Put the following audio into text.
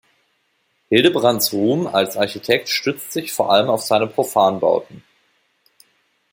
Hildebrandts Ruhm als Architekt stützt sich vor allem auf seine Profanbauten.